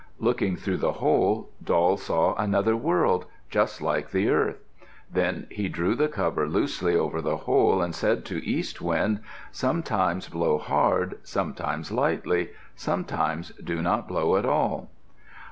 Looking through the hole, Doll saw another world, just like the earth. Then he drew the cover loosely over the hole, and said to East Wind, "Sometimes blow hard, sometimes lightly. Sometimes do not blow at all."